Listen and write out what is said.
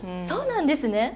そうなんですね。